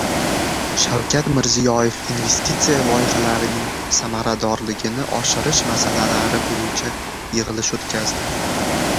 Shavkat Mirziyoyev investitsiya loyihalarining samaradorligini oshirish masalalari bo‘yicha yig‘ilish o‘tkazdi